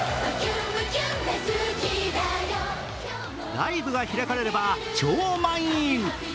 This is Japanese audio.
ライブが開かれれば超満員。